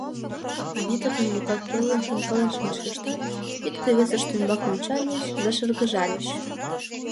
Анита ден Лука келгын шонкален шинчыштат, икте-весышт ӱмбаке ончальыч да шыргыжальыч.